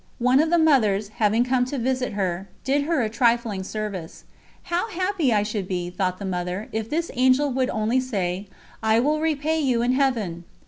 One of the Mothers, having come to visit her, did her a trifling service. "How happy I should be," thought the Mother, "if this Angel would only say: 'I will repay you in Heaven!'